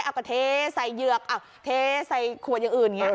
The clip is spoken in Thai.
เอาก็เทใส่เหยือกเอาเทใส่ขวดอย่างอื่นอย่างนี้